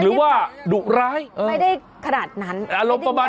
หรือว่าดุร้ายไม่ได้ขนาดนั้นไม่ได้มีอาการอะไรบ้าง